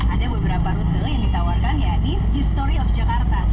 ada beberapa rute yang ditawarkan yaitu history of jakarta